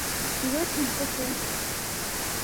Кӱлеш гын, почеш.